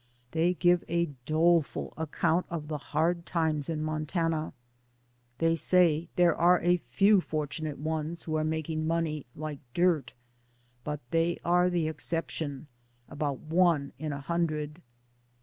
They give a doleful ac count of the hard times in Montana. They say : "There are a few fortunate ones who are making money like dirt, but they are the exception, about one in a hundred."